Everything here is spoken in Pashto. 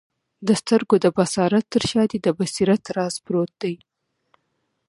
د سترګو د بصارت تر شاه دي د بصیرت راز پروت دی